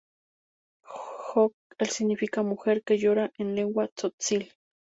J-ok'el significa "Mujer que llora" en lengua Tzotzil.